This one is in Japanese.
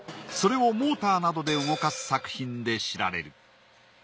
それをモーターなどで動かす作品で知られる。